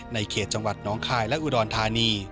ในเขตจังหวัดน้องคายและอุดรธานี